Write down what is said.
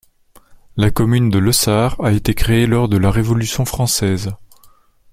La commune de Le Sart a été créée lors de la Révolution française.